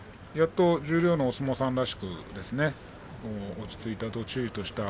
やっと十両のお相撲さんらしくなってきましたね。